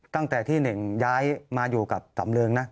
ตั้งแต่ที่เน่งย้ายมาอยู่กับสำเริงนะ